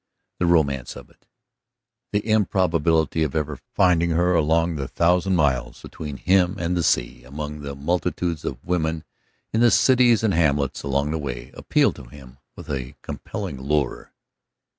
The romance of it, the improbability of ever finding her along the thousand miles between him and the sea, among the multitudes of women in the cities and hamlets along the way, appealed to him with a compelling lure.